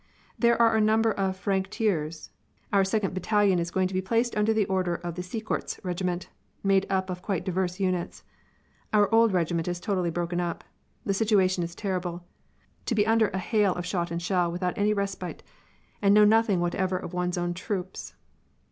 "There are numbers of francs tireurs. Our second battalion is going to be placed under the order of the Cyckortz Regiment, made up of quite diverse units. Our old regiment is totally broken up. The situation is terrible. To be under a hail of shot and shell, without any respite, and know nothing whatever of one's own troops!